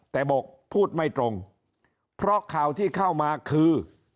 แต่บอกพูดไม่ตรงเพราะข่าวที่เข้ามาคือ